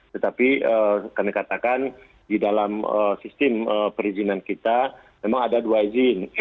tetapi kami katakan di dalam sistem perizinan kita memang ada dua izin